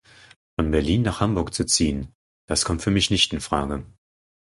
Von Berlin nach Hamburg zu ziehen, das kommt für mich nicht in Frage.